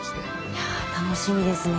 いや楽しみですね。